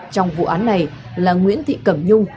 trong vụ án này là nguyễn thị cẩm nhung